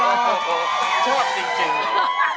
ชอบจริง